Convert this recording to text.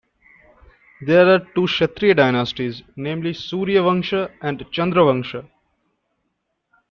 There are two kshatriya dynasties, namely 'Surya Vansha' and 'Chandra Vansha'.